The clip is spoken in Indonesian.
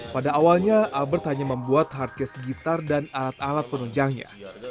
pada awalnya albert hanya membuat hardcase gitar dan alat alat penunjangnya